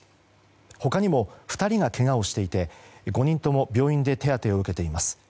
他にも２人がけがをしていて５人とも病院で手当てを受けています。